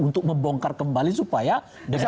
untuk membongkar kembali supaya bisa masuk